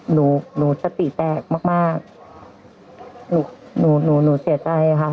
หนูหนูสติแตกมากมากหนูหนูหนูเสียใจค่ะ